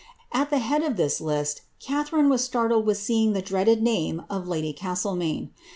At the head of tliis list Catharine was startled with seeing the dreaded name of lady Castlemaine.